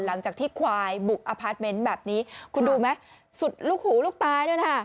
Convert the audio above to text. หลังจากที่ควายบุกอพาร์ทเมนต์แบบนี้คุณดูไหมสุดลูกหูลูกตายด้วยนะ